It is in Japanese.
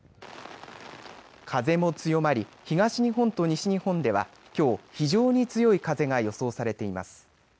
風も強まり、東日本と西日本ではきょう非常に強い風が予想されています。